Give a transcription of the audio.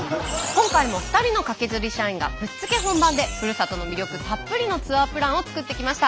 今回も２人のカケズリ社員がぶっつけ本番でふるさとの魅力たっぷりのツアープランを作ってきました。